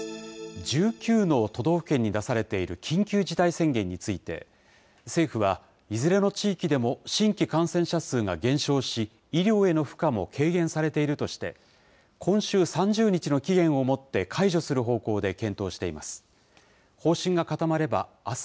１９の都道府県に出されている緊急事態宣言について、政府は、いずれの地域でも新規感染者数が減少し、医療への負荷も軽減されているとして、今週３０日の期限をもって、解除する方向で検討しています。